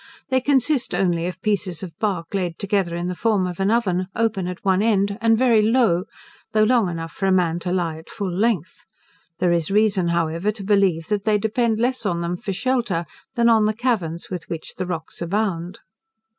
They consist only of pieces of bark laid together in the form of an oven, open at one end, and very low, though long enough for a man to lie at full length. There is reason, however, to believe, that they depend less on them for shelter, than on the caverns with which the rocks abound.